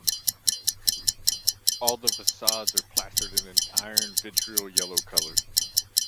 All the facades are plastered in an iron vitriol yellow colour.